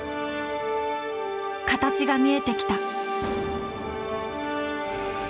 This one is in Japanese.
形が見えてきた。